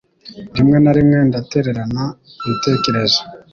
Rimwe na rimwe ndatererana ibitekerezo